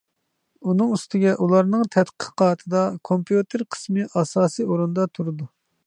ئۇنىڭ ئۈستىگە ئۇلارنىڭ تەتقىقاتىدا كومپيۇتېر قىسمى ئاساسىي ئورۇندا تۇرىدۇ.